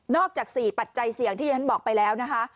จาก๔ปัจจัยเสี่ยงที่ฉันบอกไปแล้วนะคะ